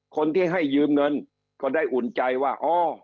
คนที่ให้ยืมเงินก็ได้อุ่นใจว่าอ๋อ